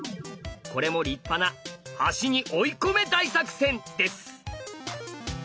これも立派な端に追い込め大作戦です。